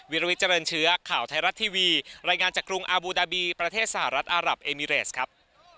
วิลวิทเจริญเชื้อข่าวไทยรัฐทีวีรายงานจากกรุงอาบูดาบีประเทศสหรัฐอารับเอมิเรสครับ